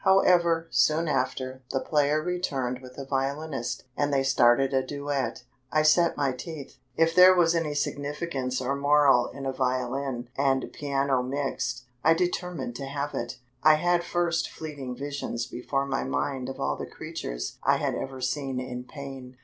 However, soon after the player returned with a violinist, and they started a duet. I set my teeth. If there was any significance or moral in a violin and piano mixed, I determined to have it. I had first fleeting visions before my mind of all the creatures I had ever seen in pain.